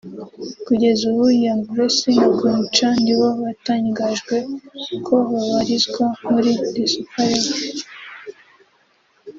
Kugeza ubu Young Grace na Queen Cha nibo batangajwe ko babarizwa muri The Super Level